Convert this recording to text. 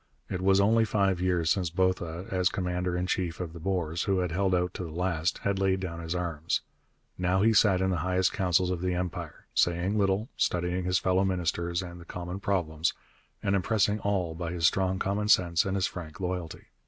It was only five years since Botha, as commander in chief of the Boers who had held out to the last, had laid down his arms. Now he sat in the highest councils of the Empire, saying little, studying his fellow ministers and the common problems, and impressing all by his strong common sense and his frank loyalty.